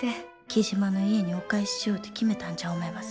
雉真の家にお返ししようと決めたんじゃ思います。